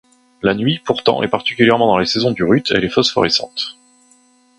La nuit, pourtant, et particulièrement dans la saison du rut, elle est phosphorescente.